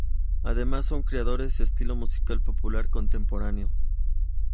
Además son creadores estilo musical popular contemporánea.